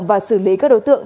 và xử lý các đối tượng